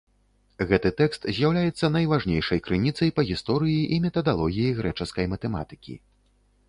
Гэты тэкст з'яўляецца найважнейшай крыніцай па гісторыі і метадалогіі грэчаскай матэматыкі.